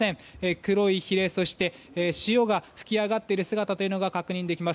黒いひれ、そして潮が吹き上がっている姿が確認できます。